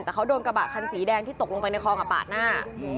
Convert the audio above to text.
แต่เขาโดนกระบะคันสีแดงที่ตกลงไปในคลองปาดหน้า